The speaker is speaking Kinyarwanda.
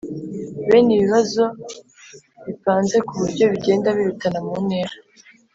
Bene ibi bibazo bipanze ku buryo bigenda birutana mu ntera